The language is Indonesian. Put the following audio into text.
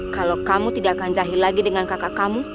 kalau kamu tidak akan jahi lagi dengan kakak kamu